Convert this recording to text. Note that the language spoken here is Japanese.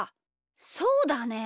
そうだね！